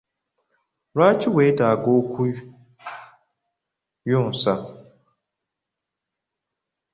Lwaki wetaaga okuyonsa?